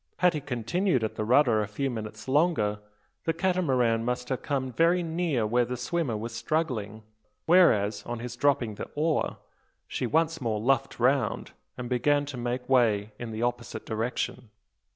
Had he continued at the rudder a few minutes longer, the Catamaran must have come very near where the swimmer was struggling; where as, on his dropping the oar, she once more luffed round, and began to make way in the opposite direction.